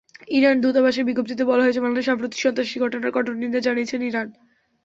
Iran দূতাবাসের বিজ্ঞপ্তিতে বলা হয়েছে, বাংলাদেশে সাম্প্রতিক সন্ত্রাসী ঘটনার কঠোর নিন্দা জানিয়েছে ইরান।